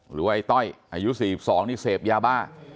หรือว่าไอ้ต้อยอายุ๔๒นี่เสพยาบ้า